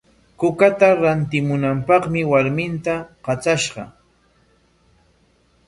Kukata rantimunapaqmi warminta katrashqa.